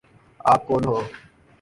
آپ کون ہو؟